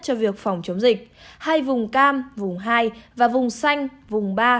cho việc phòng chống dịch hai vùng cam vùng hai và vùng xanh vùng ba